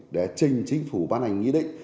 để trình chính phủ ban hành nghị định